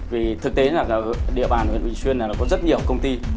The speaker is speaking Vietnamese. vì thực tế là địa bàn huyện bình xuyên này nó có rất nhiều công ty